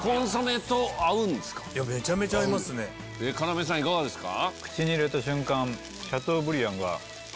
要さんいかがですか？